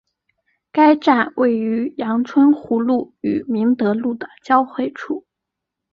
该站位于杨春湖路与明德路的交汇处。